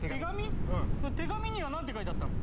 手紙には何て書いてあったの？